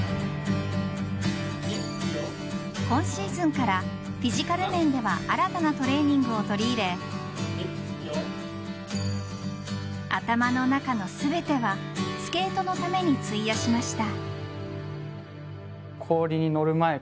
今シーズンからフィジカル面では新たなトレーニングを取り入れ頭の中の全てはスケートのために費やしました。